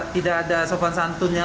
tidak ada sopan santunnya